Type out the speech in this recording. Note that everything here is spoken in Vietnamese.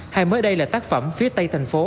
hay mới đây là tác phẩm phía tây thành phố